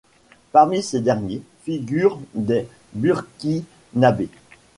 Parmi ces derniers, figurent des Burkinabés.